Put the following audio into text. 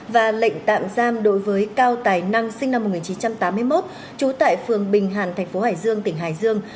và lệnh tạm giam đối với cao tài năng sinh năm một nghìn chín trăm tám mươi một trú tại phường bình hàn tp hải dương tỉnh hải dương